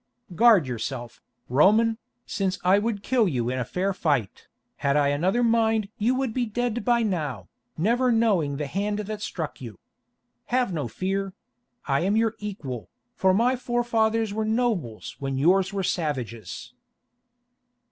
Guard yourself, Roman, since I would kill you in fair fight. Had I another mind you would be dead by now, never knowing the hand that struck you. Have no fear; I am your equal, for my forefathers were nobles when yours were savages."